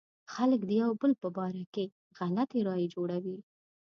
خلک د يو بل په باره کې غلطې رايې جوړوي.